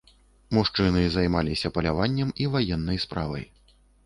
Мужчыны займаліся паляваннем і ваеннай справай.